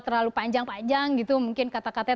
terlalu panjang panjang gitu mungkin kata katanya